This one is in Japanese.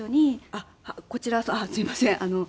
あっこちらすいません。